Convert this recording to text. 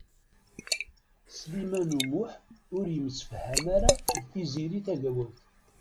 Sliman U Muḥ ur yemsefham ara d Tiziri Tagawawt.